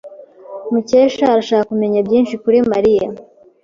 Mukesha arashaka kumenya byinshi kuri Mariya.